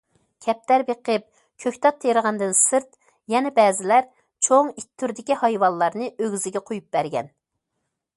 كەپتەر بېقىپ، كۆكتات تېرىغاندىن سىرت يەنە بەزىلەر چوڭ ئىت تۈرىدىكى ھايۋانلارنى ئۆگزىگە قويۇپ بەرگەن.